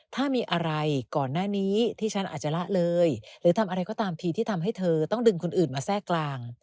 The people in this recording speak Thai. ถ้ามีอะไรก่อนหน้านี้ที่ฉันอาจจะละเลยหรือทำอะไรก็ตามทีที่ทำให้เธอต้องดึงคนอื่นมาแทรกกลาง